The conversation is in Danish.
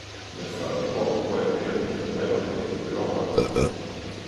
men før du går, må jeg have mine briller og mit hørerør!